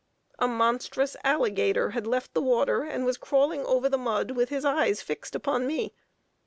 A monstrous alligator had left the water, and was crawling over the mud, with his eyes fixed upon me.